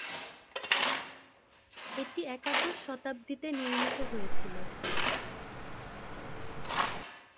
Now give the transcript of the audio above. এটি একাদশ শতাব্দীতে নির্মিত হয়েছিল।